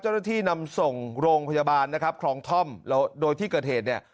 นำส่งโรงพยาบาลนะครับคลองท่อมแล้วโดยที่เกิดเหตุเนี่ย